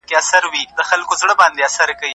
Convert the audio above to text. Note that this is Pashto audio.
ستا دیادو څلي یو یو شمارتر پسر نه راځې